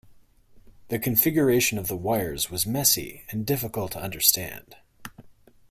The configuration of the wires was messy and difficult to understand.